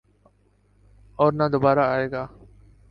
اور نہ دوبارہ آئے گا۔